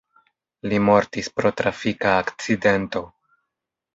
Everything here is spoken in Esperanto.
Li mortis pro trafika akcidento.